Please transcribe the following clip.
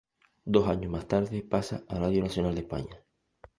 Dos años más tarde pasa a Radio Nacional de España.